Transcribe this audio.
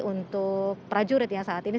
untuk prajurit yang saat ini